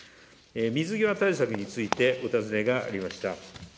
水際対策についてお尋ねがありました。